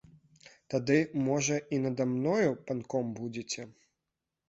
Тады, можа, і нада мною панком будзеце.